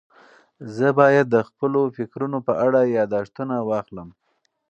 زه باید د خپلو فکرونو په اړه یاداښتونه واخلم.